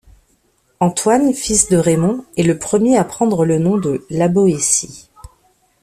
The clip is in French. Antoine, fils de Raymond, est le premier à prendre le nom de La Boétie.